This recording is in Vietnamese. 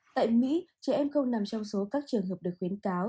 tại mỹ trẻ em không nằm trong số các trường hợp được khuyến cáo